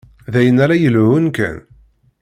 D ayen ara yelhun kan.